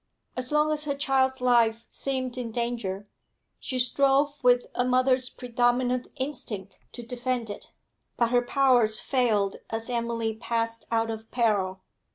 As long as her child's life seemed in danger, she strove with a mother's predominant instinct to defend it; but her powers failed as Emily passed out of peril.